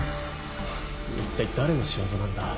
一体誰の仕業なんだ？